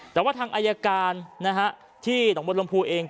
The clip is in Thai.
แต่ว่าทางอายการที่หนองบนลมพูเอง